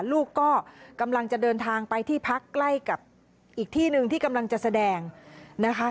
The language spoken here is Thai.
ลูกก็กำลังจะเดินทางไปที่พักใกล้กับอีกที่หนึ่งที่กำลังจะแสดงนะคะ